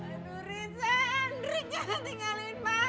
aduh risa hendrik jangan tinggalin mama